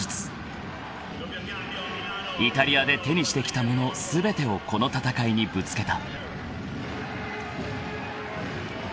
［イタリアで手にしてきたもの全てをこの戦いにぶつけた］